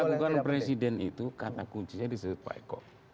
yang dilakukan presiden itu karena kuncinya diselip selip pak eko